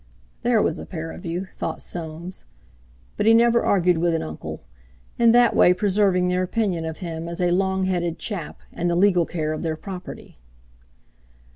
"There was a pair of you!" thought Soames. But he never argued with an uncle, in that way preserving their opinion of him as "a long headed chap," and the legal care of their property.